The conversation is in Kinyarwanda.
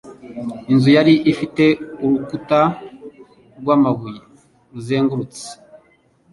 Inzu yari ifite urukuta rw'amabuye ruzengurutse.